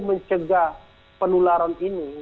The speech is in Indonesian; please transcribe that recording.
mencegah penularan ini